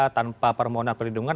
tanpa permohonan perlindungan